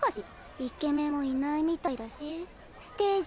イケメンもいないみたいだし。